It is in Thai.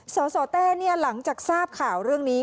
สสเต้หลังจากทราบข่าวเรื่องนี้